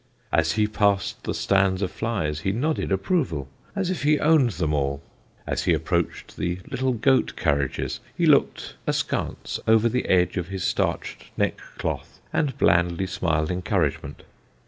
As he passed the stand of flys, he nodded approval, as if he owned them all. As he approached the little goat carriages, he looked askance over the edge of his starched neckcloth and blandly smiled encouragement.